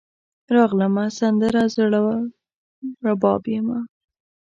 راغلمه , سندره زوړرباب یمه